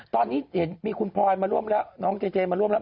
ตอนนี้เห็นมีคุณพลอยมาร่วมแล้วน้องเจเจมาร่วมแล้ว